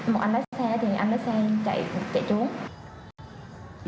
một anh lái xe thì anh lái xe chạy trốn